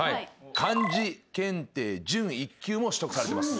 漢字検定準１級も取得されてます。